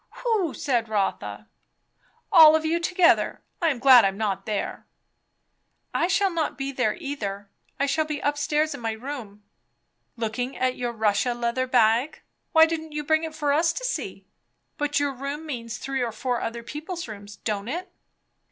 "Who?" said Rotha. "All of you together. I am glad I'm not there." "I shall not be there either. I shall be up stairs in my room." "Looking at your Russia leather bag. Why didn't you bring it for us to see? But your room means three or four other people's room, don't it?"